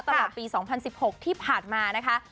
ตลอดปี๒๐๑๖ที่ผ่านมานะคะ